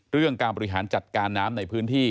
เรื่องการบริหารจัดการน้ำในพื้นที่